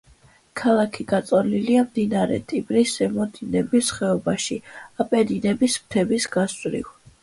ქალაქი გაწოლილია მდინარე ტიბრის ზემო დინების ხეობაში, აპენინების მთების გასწვრივ.